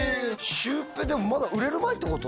シュウペイでもまだ売れる前ってこと？